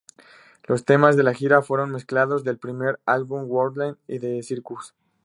Los temas de la gira fueron mezclados del primer álbum Wonderland y The Circus.